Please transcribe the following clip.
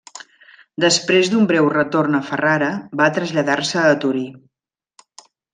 Després d'un breu retorn a Ferrara, va traslladar-se a Torí.